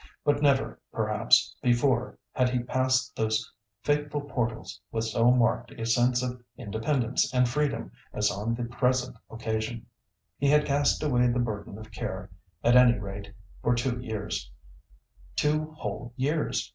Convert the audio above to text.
But never, perhaps, before had he passed those fateful portals with so marked a sense of independence and freedom as on the present occasion. He had cast away the burden of care, at any rate for two years—two whole years!